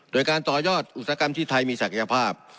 โดยการต่อยอดอุตสาหกรรมที่ไทยมีศักยภาพ